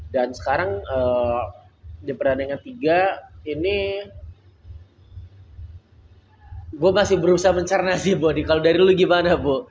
dan sekarang di pertandingan tiga ini gue masih berusaha mencernas sih bodi kalo dari dulu gimana bu